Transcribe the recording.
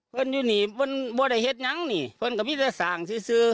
เพื่อนอยู่นี่เป็นบัวได้เห็นยังนี่เพื่อนกับพี่จะสั่งซื้อซื้อเออ